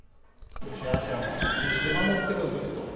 嵐山を必死で守ってるんですと。